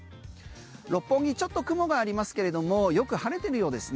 六本木、ちょっと雲がありますけれどもよく晴れているようです。